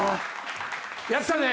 やったね！